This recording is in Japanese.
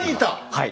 はい。